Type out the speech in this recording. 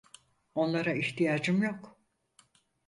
Onlara ihtiyacım yok.